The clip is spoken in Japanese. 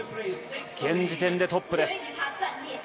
現時点でトップです。